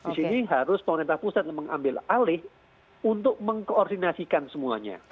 di sini harus pemerintah pusat mengambil alih untuk mengkoordinasikan semuanya